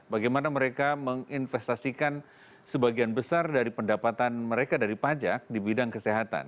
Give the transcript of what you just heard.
bagaimana mereka menginvestasikan sebagian besar dari pendapatan mereka dari pajak di bidang kesehatan